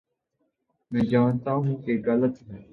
میں جانتا ہوں کہ غلط ہے۔